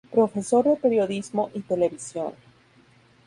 Profesor de periodismo y televisión.